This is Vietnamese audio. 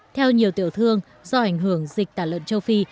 theo nhiều tiểu thương do ảnh hưởng dịch tả lợn châu phi